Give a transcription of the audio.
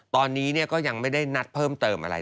ตอนนี้ก็ยังไม่ได้นัดเพิ่มเติมอะไร